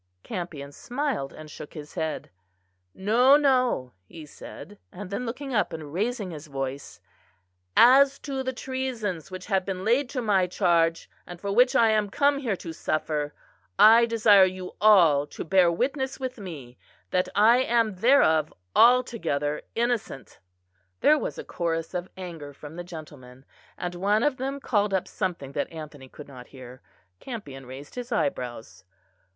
Campion smiled and shook his head. "No, no," he said: and then looking up and raising his voice, "as to the treasons which have been laid to my charge, and for which I am come here to suffer, I desire you all to bear witness with me, that I am thereof altogether innocent." There was a chorus of anger from the gentlemen, and one of them called up something that Anthony could not hear. Campion raised his eyebrows.